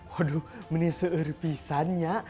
waduh bernih seurupi pisan nya